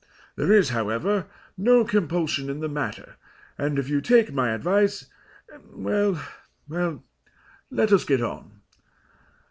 There is, however, no compulsion in the matter, and, if you take my advice well, well, let us get on.